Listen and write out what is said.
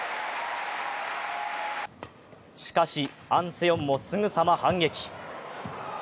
しかし、アン・セヨンもすぐさま反撃。